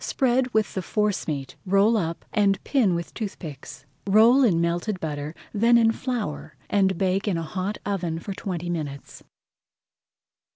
Spread with the forcemeat, roll up, and pin with toothpicks. Roll in melted butter, then in flour, and bake in a hot oven for twenty minutes.